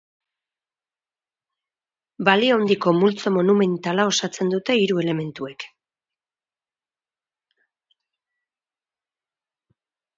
Balio handiko multzo monumentala osatzen dute hiru elementuek.